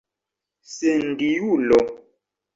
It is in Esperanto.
sendiulo